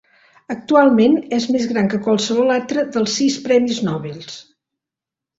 Actualment és més gran que qualsevol altre dels sis Premis Nobel.